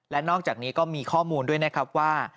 และนอกจากนี้ก็มีข้อมูลด้วยนะครับว่า